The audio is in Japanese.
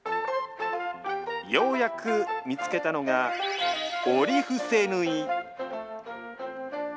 ようやく見つけたのが折り伏せ縫い。